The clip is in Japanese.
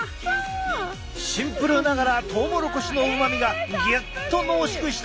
シンプルながらトウモロコシのうまみがギュッと濃縮した一品だ。